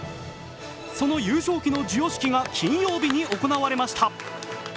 その優勝旗の授与式が金曜日に行われました。